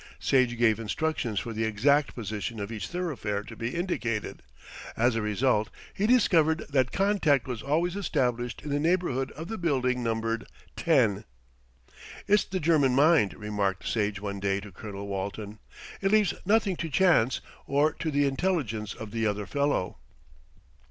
Sage gave instructions for the exact position of each thoroughfare to be indicated. As a result he discovered that contact was always established in the neighbourhood of the building numbered 10. "It's the German mind," remarked Sage one day to Colonel Walton. "It leaves nothing to chance, or to the intelligence of the other fellow."